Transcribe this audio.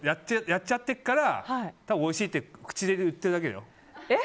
やっちゃってるから多分、おいしいって口で言ってるだけだよ。